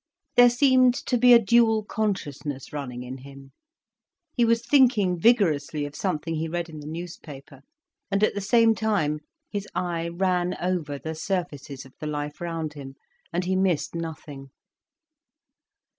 There seemed to be a dual consciousness running in him. He was thinking vigorously of something he read in the newspaper, and at the same time his eye ran over the surfaces of the life round him, and he missed nothing.